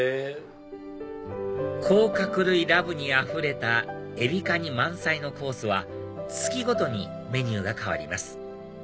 甲殻類ラブにあふれたエビカニ満載のコースは月ごとにメニューが替わります